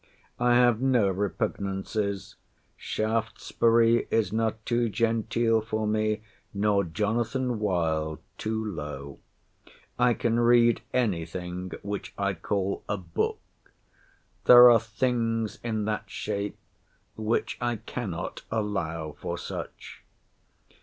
I have no repugnances. Shaftesbury is not too genteel for me, nor Jonathan Wild too low. I can read any thing which I call a book. There are things in that shape which I cannot allow for such.